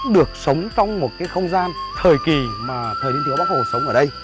được sống trong một cái không gian thời kỳ mà thời niên thiếu bắc hồ sống ở đây